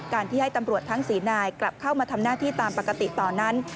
การที่ให้ตำรวจทั้ง๔นายกลับเข้ามาทำหน้าที่ตามปกติต่อนั้น